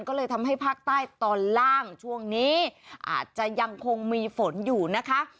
ก็เลยทำให้ภาคใต้ตอนล่างช่วงนี้อาจจะยังคงมีฝนอยู่นะคะ